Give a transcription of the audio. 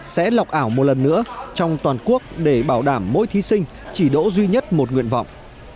sẽ lọc ảo một lần nữa trong toàn quốc để bảo đảm mỗi thí sinh chỉ đỗ duy nhất một nguyện vọng